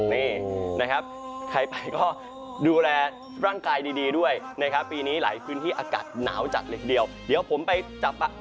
นี่นะครับใครไปก็ดูแลร่างกายดีด้วยนะครับปีนี้หลายพื้นที่อากาศหนาวจัดเลยทีเดียวเดี๋ยวผมไปจับ